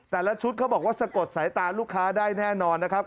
แต่ละชุดเขาบอกว่าสะกดสายตาลูกค้าได้แน่นอนนะครับ